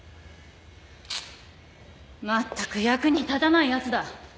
まったく役に立たないやつだ。